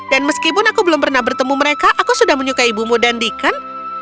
dan meskipun aku belum pernah bertemu mereka aku sudah menyukai ibumu dan deacon